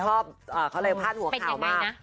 โรงการเรายังพลาดหัวข่าวมาก